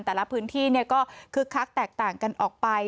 แต่ละพื้นที่ก็คึกคักแตกต่างกันออกไป